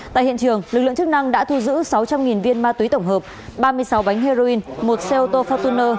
tại hiện trường lực lượng chức năng đã thu giữ sáu trăm linh viên ma túy tổng hợp ba mươi sáu bánh heroin một xe ô tô fortuner